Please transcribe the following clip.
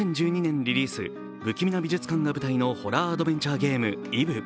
リリース不気味な美術館が舞台のホラーアドベンチャーゲーム「Ｉｂ」。